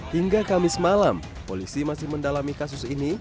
hingga kamis malam polisi masih mendalami kasus ini